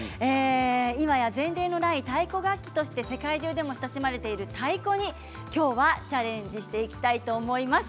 今や前例のない太鼓楽器として世界中で親しまれている太鼓にチャレンジしていきたいと思います。